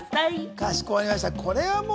かしこまりました。